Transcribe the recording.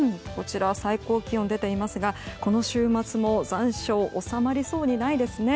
最高気温が出ていますがこの週末も残暑は収まりそうにないですね。